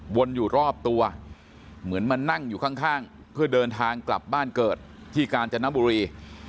อยู่รอบตัวเหมือนมานั่งอยู่ข้างเพื่อเดินทางกลับบ้านเกิดที่กาญจนบุรี